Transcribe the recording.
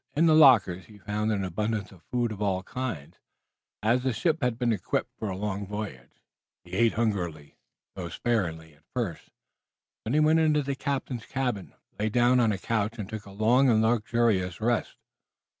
In the lockers he found an abundance of food of all kinds, as the ship had been equipped for a long voyage, and he ate hungrily, though sparingly at first. Then he went into the captain's cabin, lay down on a couch, and took a long and luxurious rest.